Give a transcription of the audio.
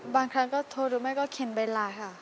บางครั้งก็โทรหรือไม่ก็เข็นใบไลน์ค่ะ